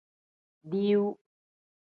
Diiwu.